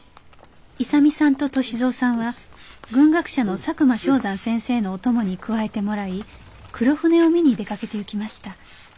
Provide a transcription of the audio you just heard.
勇さんと歳三さんは軍学者の佐久間象山先生のお供に加えてもらい黒船を見に出かけて行きました。